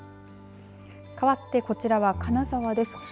かわって、こちらは金沢です。